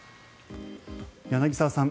柳澤さん